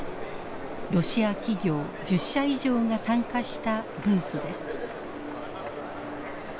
ロシア企業１０社以上が参加したブースです。